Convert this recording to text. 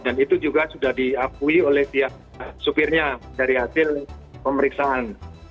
itu juga sudah diakui oleh pihak supirnya dari hasil pemeriksaan